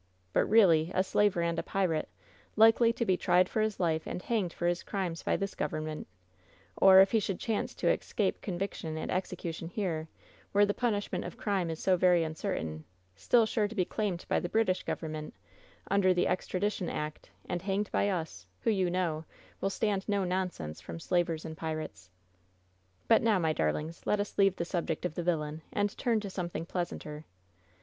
But really a slaver and a pirate, likely to be tried for his life and hanged for his crimes by this government ; or if he should chance to escape conviction and execution here, where the punishment of crime is so very uncertain, still sure to be claimed by the British Government, under the extradition act, and hanged by us, who, you know, will stand no nonsense from slavers and pirates. But now, my darlings, let us leave the subject of the vil lain and turn to something pleasanter.